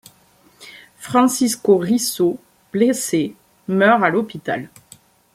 Francesco Riso, blessé, meurt à l'hôpital.